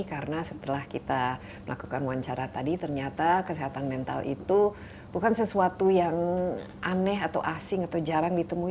karena setelah kita melakukan wawancara tadi ternyata kesehatan mental itu bukan sesuatu yang aneh atau asing atau jarang ditemui